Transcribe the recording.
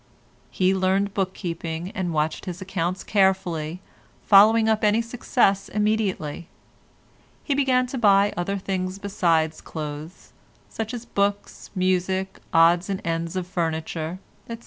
He learned book keeping, and watched his accounts carefully, following up any success immediately; he began to buy other things besides clothes—such as books, music, odds and ends of furniture, etc.